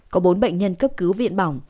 có bốn bệnh nhân cấp cứu viện bỏng